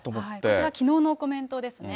こちら、きのうのコメントですね。